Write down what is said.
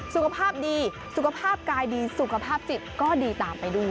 สุขภาพดีสุขภาพกายดีสุขภาพจิตก็ดีตามไปด้วย